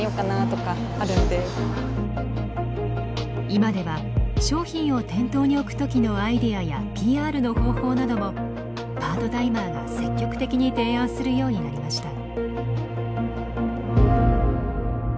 今では商品を店頭に置く時のアイデアやＰＲの方法などもパートタイマーが積極的に提案するようになりました。